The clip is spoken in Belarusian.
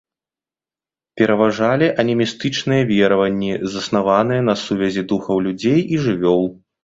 Пераважалі анімістычныя вераванні, заснаваныя на сувязі духаў людзей і жывёл.